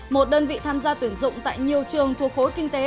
một đơn vị tham gia tuyển dụng tại nhiều trường thuộc khối kinh tế